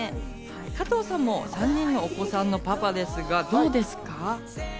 加藤さんも３人のお子さんのパパですが、どうですか？